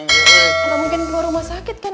tidak mungkin keluar rumah sakit kan